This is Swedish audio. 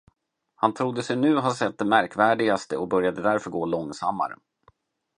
Han trodde sig nu ha sett det märkvärdigaste och började därför gå långsammare.